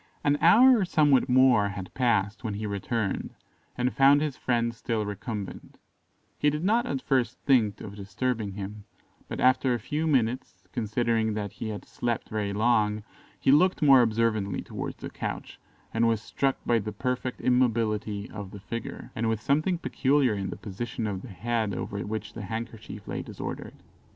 An hour or somewhat more had passed when he returned, and found his friend still recumbent: he did not at first think of disturbing him, but after a few minutes, considering that he had slept very long, he looked more observantly towards the couch, and was struck by the perfect immobility of the figure, and with something peculiar in the position of the head over which the handkerchief lay disordered.